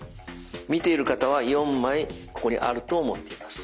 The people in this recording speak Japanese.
見ている方は４枚ここにあると思っています。